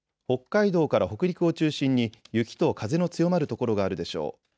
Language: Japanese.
北海道から北陸を中心に雪と風の強まる所があるでしょう。